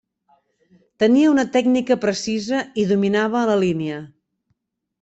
Tenia una tècnica precisa i dominava la línia.